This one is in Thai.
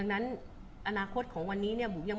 คุณผู้ถามเป็นความขอบคุณค่ะ